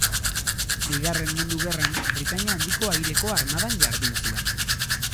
Bigarren Mundu Gerran, Britainia Handiko Aireko Armadan jardun zuen.